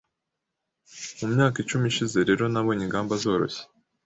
Mu myaka icumi ishize rero nabonye ingamba zoroshye